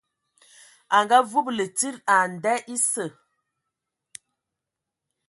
A ngaavúbulu tsid ai nda esǝ.